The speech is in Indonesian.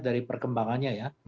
dari perkembangannya ya